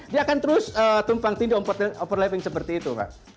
dia akan terus tumpang tindih overlapping seperti itu